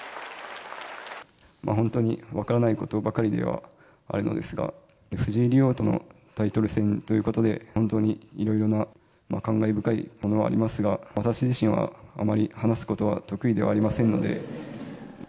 本当に分からないことばかりではあるのですが、藤井竜王とのタイトル戦ということで、本当にいろいろな感慨深いものがありますが、私自身はあまり話すことは得意ではありませんので。